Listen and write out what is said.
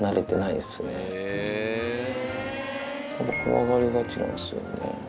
怖がりがちなんですよね。